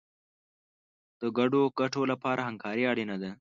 د ګډو ګټو لپاره همکاري اړینه ده.